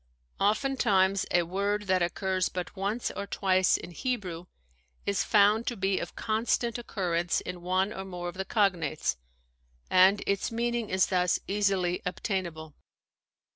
Oftentimes a word that occurs but once or twice in Hebrew is found to be of constant occurrence in one or more of the cognates, and its meaning is thus easily obtain able.